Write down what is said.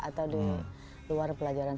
atau di luar pelajaran